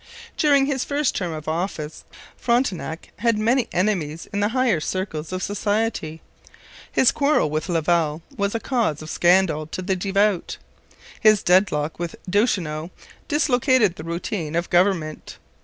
During his first term of office Frontenac had many enemies in the higher circles of society. His quarrel with Laval was a cause of scandal to the devout. His deadlock with Duchesneau dislocated the routine of government.